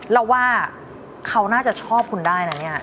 เราว่าเขาน่าจะชอบคุณได้นะเนี่ย